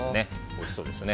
おいしそうですね。